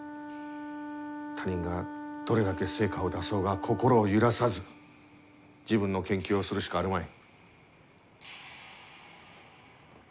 他人がどれだけ成果を出そうが心を揺らさず自分の研究をするしかあるまい。